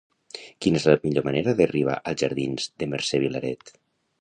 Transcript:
Quina és la millor manera d'arribar als jardins de Mercè Vilaret?